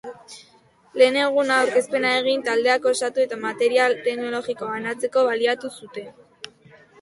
Lehen eguna aurkezpena egin, taldeak osatu eta material teknologikoa banatzeko baliatu zuten.